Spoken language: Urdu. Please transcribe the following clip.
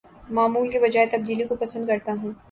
معمول کے بجاے تبدیلی کو پسند کرتا ہوں